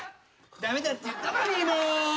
駄目だって言ったのにもう。